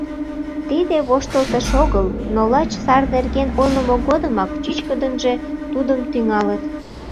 Тиде воштылтыш огыл, но лач сар нерген ойлымо годымак чӱчкыдынжӧ тудым тӱҥалыт.